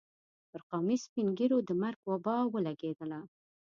پر قومي سپين ږيرو د مرګ وبا ولګېدله.